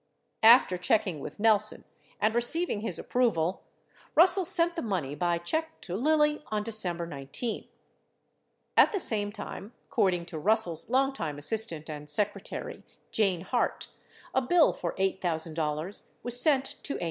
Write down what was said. After checking with Nelson and receiving his approval, Russell sent the money by check to Lilly on December 19. At the same time, according to Russell's long time assistant and secretary, Jane Hart, a bill for $8,000 was sent to AMPI.